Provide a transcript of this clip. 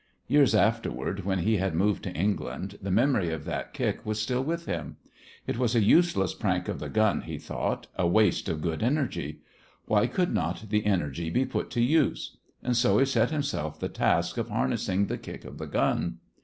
Years afterward, when he had moved to England, the memory of that kick was still with him. It was a useless prank of the gun, he thought, a waste of good energy. Why could not the energy be put to use? And so he set himself the task of harnessing the kick of the gun.